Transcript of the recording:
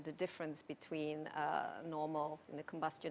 perbedaan antara bus bus